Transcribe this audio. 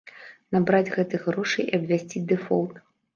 Набраць гэтых грошай і абвясціць дэфолт.